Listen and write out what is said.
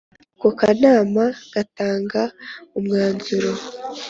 ako kanama gatanga umwanzuro